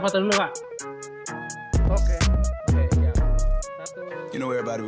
kak thank you banget sukses